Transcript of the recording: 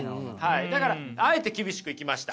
だからあえて厳しくいきました。